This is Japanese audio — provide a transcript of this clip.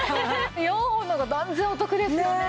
４本の方が断然お得ですよね。